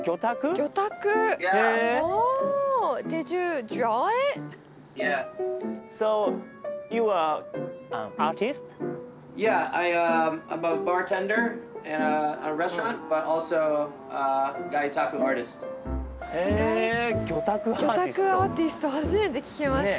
魚拓アーティスト初めて聞きました。